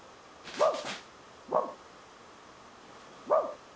ワン！